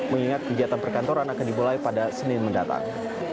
mengingat kegiatan perkantoran akan dimulai pada senin mendatang